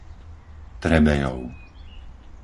Trebejov